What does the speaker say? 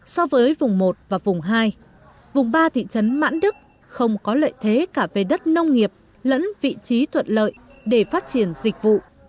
so với vùng một và vùng hai vùng ba thị trấn mãn đức không có lợi thế cả về đất nông nghiệp lẫn vị trí thuận lợi để phát triển dịch vụ